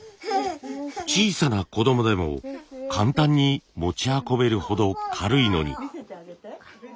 小さな子供でも簡単に持ち運べるほど軽いのに。